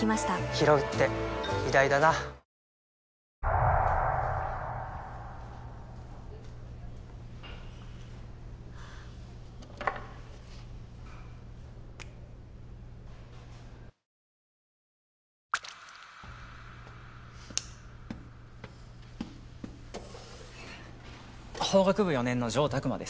ひろうって偉大だな法学部４年の城琢磨です。